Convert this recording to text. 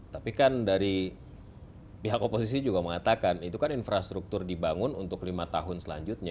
tapi kan dari pihak oposisi juga mengatakan itu kan infrastruktur dibangun untuk lima tahun selanjutnya